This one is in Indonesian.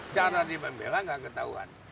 cara dia membela tidak ketahuan